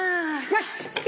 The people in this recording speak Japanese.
よし！